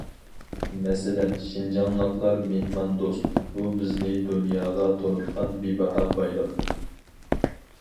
مەسىلەن: شىنجاڭلىقلار مېھماندوست، بۇ، بىزنى دۇنياغا تونۇتقان بىباھا بايلىق.